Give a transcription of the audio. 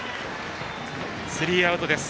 スリーアウトです。